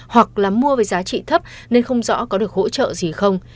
hoặc là mua với giá trị thấp nên không rõ có được hỗ trợ gì không